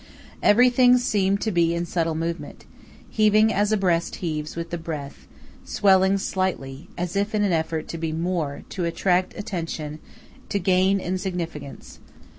Everything seemed to be in subtle movement, heaving as a breast heaves with the breath; swelling slightly, as if in an effort to be more, to attract attention, to gain in significance.